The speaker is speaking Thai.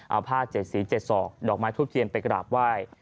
เอาผ้าเจ็ดสีเจ็ดสอกดอกไม้ทุกเทียนไปกราบไหว้